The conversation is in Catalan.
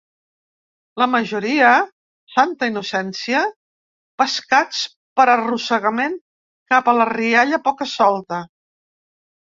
La majoria, santa innocència, pescats per arrossegament cap a la rialla poca-solta.